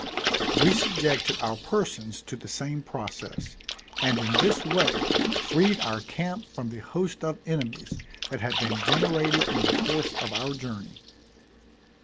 We subjected our persons to the same process, and in this way freed our camp from the host of enemies that had been generated in the course of our journey.